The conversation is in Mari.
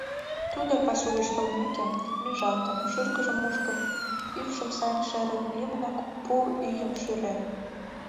Тудо, пасу гыч толмеке, нӱжалтын, шӱргыжым мушкын, ӱпшым сайын шерын, лӱмынак пу ӱйым шӱрен.